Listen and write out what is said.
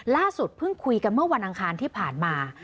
เพิ่งคุยกันเมื่อวันอังคารที่ผ่านมา